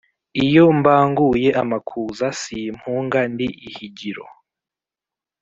Iyo mbanguye amakuza simpunga ndi ihigiro.